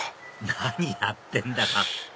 何やってんだか！